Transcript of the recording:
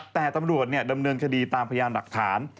แต่ตำรวจดำเนินคดีตามพยานหลักฐาน